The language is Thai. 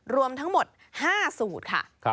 รวมทั้งหมด๕สูตรค่ะ